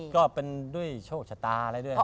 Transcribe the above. ก็เป็นด้วยโชคชะตาอะไรด้วย